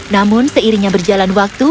namun seirinya berjalan waktu